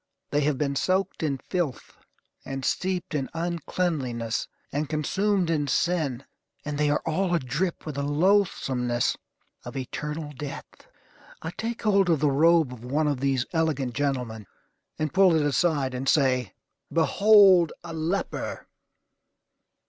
They have been soaked in filth, and steeped in uncleanliness, and consumed in sin, and they are all adrip with the loathsomeness of eternal death. I take hold of the robe of one of these elegant gentlemen, and pull it aside, and say, "Behold a Leper!"